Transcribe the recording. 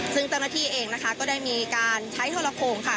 ซึ่งเจ้าหน้าที่เองนะคะก็ได้มีการใช้โทรโครงค่ะ